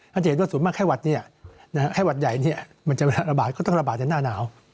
ถ้าจะเห็นว่าส่วนมากแค่วัดนี้แค่วัดใหญ่นี่มันจะระบาดก็ต้องระบาดในหน้าหนาว